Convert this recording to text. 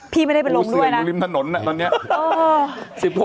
ผู้เสื่อมูลิมถนนนี่วันนี้